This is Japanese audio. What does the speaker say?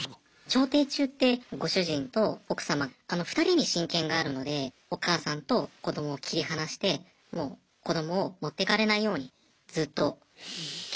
調停中ってご主人と奥様２人に親権があるのでお母さんと子どもを切り離してもう子どもを持ってかれないようにずっと警護してくれと。